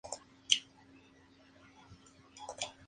Se deja enfriar y cuando está templada, tras unos minutos, se despega.